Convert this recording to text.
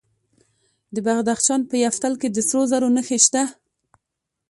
د بدخشان په یفتل کې د سرو زرو نښې شته.